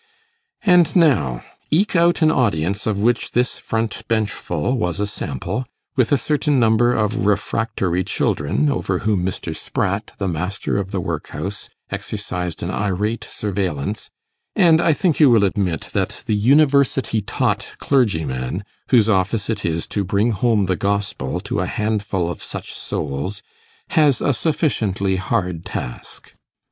And now, eke out an audience of which this front benchful was a sample, with a certain number of refractory children, over whom Mr. Spratt, the master of the workhouse, exercised an irate surveillance, and I think you will admit that the university taught clergyman, whose office it is to bring home the gospel to a handful of such souls, has a sufficiently hard task.